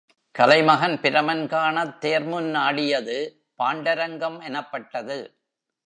கலைமகன் பிரமன் காணத் தேர்முன் ஆடியது பாண்டரங்கம் எனப்பட்டது.